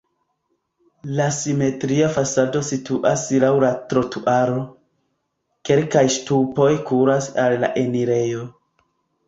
La simetria fasado situas laŭ la trotuaro, kelkaj ŝtupoj kuras al la enirejo.